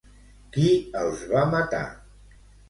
Qui els va matar?